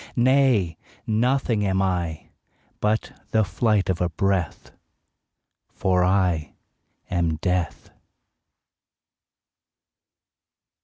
Nay; nothing am I, But the flight of a breath For I am Death!